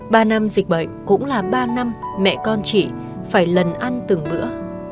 ba năm dịch bệnh cũng là ba năm mẹ con chị phải lần ăn từng bữa